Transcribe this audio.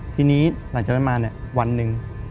ทีนี้หลังจากนั้นมาเนี่ยวันหนึ่ง